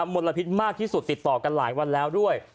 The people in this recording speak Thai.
ลพิษมากที่สุดติดต่อกันหลายวันแล้วด้วย